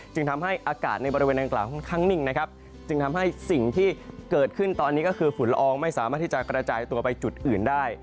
ทำให้อากาศในบริเวณดังกล่าวค่อนข้างนิ่งนะครับจึงทำให้สิ่งที่เกิดขึ้นตอนนี้ก็คือฝุ่นละอองไม่สามารถที่จะกระจายตัวไปจุดอื่นได้